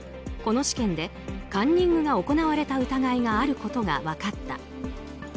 この試験でカンニングが行われた疑いがあることが分かった。